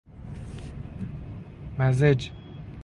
مزج